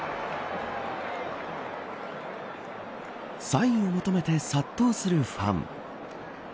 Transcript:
サインを求めて殺到するファン。